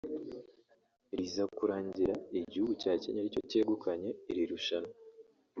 riza kurangira igihugu cya Kenya ari cyo cyegukanye iri rushanwa